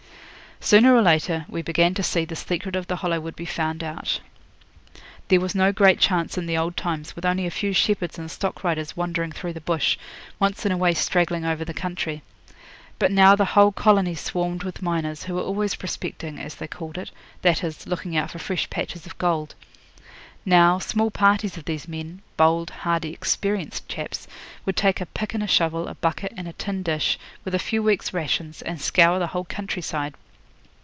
Sooner or later we began to see the secret of the Hollow would be found out. There was no great chance in the old times with only a few shepherds and stock riders wandering through the bush, once in a way straggling over the country. But now the whole colony swarmed with miners, who were always prospecting, as they called it that is, looking out for fresh patches of gold. Now, small parties of these men bold, hardy, experienced chaps would take a pick and shovel, a bucket, and a tin dish, with a few weeks' rations, and scour the whole countryside.